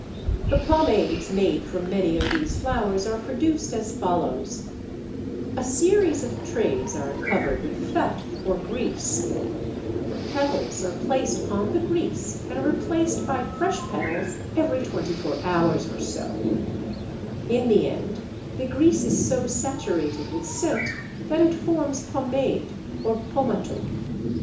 The pomades made from many of these flowers are produced as follows: A series of trays are covered with fat or grease; the petals are placed on the grease and replaced by fresh petals every twenty four hours or so; in the end the grease is so saturated with scent that it forms pomade or pomatum.